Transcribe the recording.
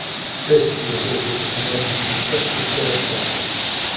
This, he asserted, amounted to deceptive sales practice.